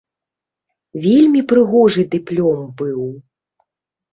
Вельмі прыгожы дыплом быў.